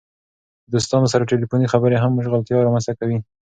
د دوستانو سره ټیلیفوني خبرې هم مشغولتیا رامنځته کوي.